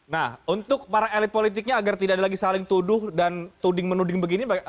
nah untuk para elit politiknya agar tidak ada lagi saling tuduh dan tuding menuding begini